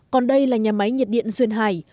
còn đây là nhà máy nhiệt điện duyên hải